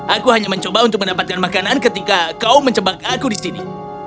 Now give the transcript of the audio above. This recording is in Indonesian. aku hanya mencoba untuk mendapatkan makanan ketika kau mencebak aku di sini